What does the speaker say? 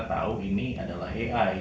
tau ini adalah ai